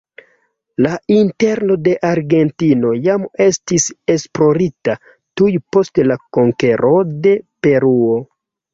La interno de Argentino jam estis esplorita tuj post la konkero de Peruo.